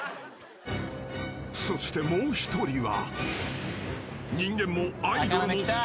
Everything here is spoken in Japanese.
［そしてもう１人は］